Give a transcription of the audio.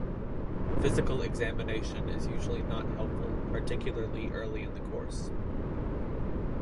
Physical examination is usually not helpful, particularly early in the course.